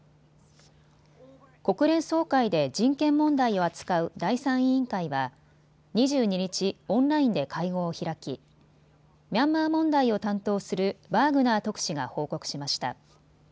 国連総会で人権問題を扱う第３委員会は２２日、オンラインで会合を開きミャンマー問題を担当するバーグナー特使が報告しました。